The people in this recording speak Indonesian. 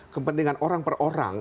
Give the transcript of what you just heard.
kepentingan orang per orang